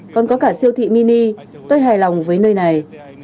còn có cả siêu thị mini tôi hài lòng với nơi này